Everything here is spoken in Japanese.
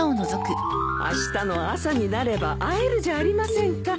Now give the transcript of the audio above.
あしたの朝になれば会えるじゃありませんか。